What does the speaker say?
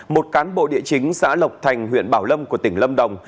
một cán bộ địa chính xã lộc thành huyện bảo lâm của tỉnh lâm đồng